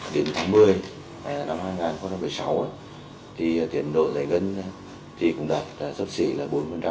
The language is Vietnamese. đến tháng một mươi năm hai nghìn một mươi sáu tiền nộ giải ngân cũng đạt sắp xỉ là bốn